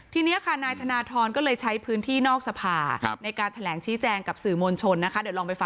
ที่นี้ค่ะนายทนทรก็เลยใช้พื้นที่นอกสภา